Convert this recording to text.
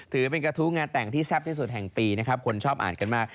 ถือเป็นกระทู้งานแต่งที่แซ่บที่สุดแห่งปีนะครับคนชอบอ่านกันมาก